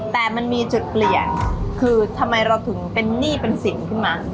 แต่มันมีจุดเปลี่ยนคือทำไมเราถึงเป็นหนี้เป็นสินขึ้นมา